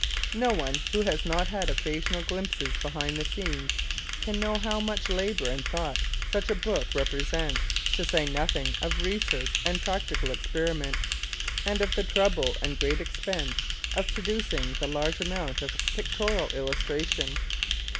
No one who has not had occasional glimpses behind the scenes can know how much labour and thought such a book represents, to say nothing of research and practical experiment, and of the trouble and great expense of producing the large amount of pictorial illustration.